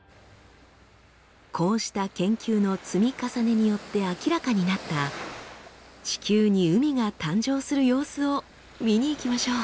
こうした研究の積み重ねによって明らかになった地球に海が誕生する様子を見に行きましょう。